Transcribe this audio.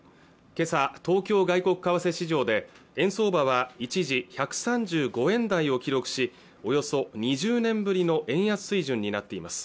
今朝東京外国為替市場で円相場は一時１３５円台を記録しおよそ２０年ぶりの円安水準になっています